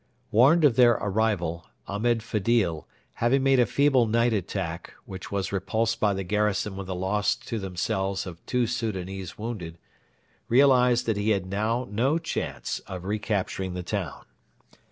Warned of their arrival, Ahmed Fedil, having made a feeble night attack which was repulsed by the garrison with a loss to themselves of two Soudanese wounded, realised that he had now no chance of recapturing the town.